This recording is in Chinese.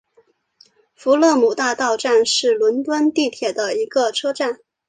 富勒姆大道站是伦敦地铁的一个车站。